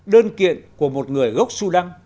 đơn kiện của một người gốc sudan